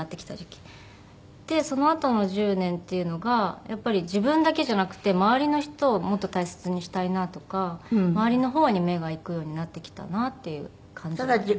でそのあとの１０年っていうのがやっぱり自分だけじゃなくて周りの人をもっと大切にしたいなとか周りの方に目がいくようになってきたなっていう感じはあります。